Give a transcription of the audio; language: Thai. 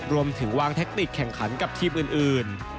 รวมถึงวางแท็กติกแข่งขันกับทีมอื่น